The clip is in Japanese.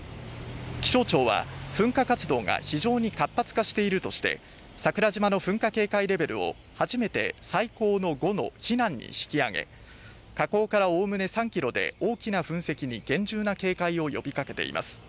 気象庁は噴火活動が非常に活発化しているとして桜島噴火警戒レベルを初めて最高の５の避難に引き上げ、火口から概ね３ｋｍで大きな噴石に厳重な警戒を呼びかけています。